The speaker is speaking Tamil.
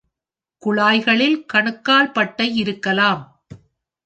குழாய்களில் கணுக்கால் பட்டை இருக்கலாம்.